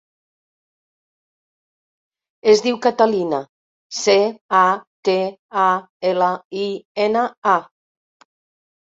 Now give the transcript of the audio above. Es diu Catalina: ce, a, te, a, ela, i, ena, a.